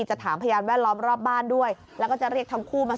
จะถามพยานแวดล้อมรอบบ้านด้วยแล้วก็จะเรียกทั้งคู่มา